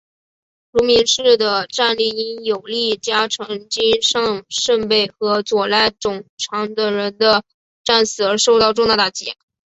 芦名氏的战力因有力家臣金上盛备和佐濑种常等人的战死而受到重大打击。